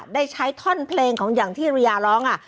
ได้ใช้ท่อนเพลงของอย่างที่ริยาร้อง